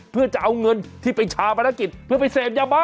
เพื่อจะเอาเงินที่ไปชาปนกิจเพื่อไปเสพยาบ้า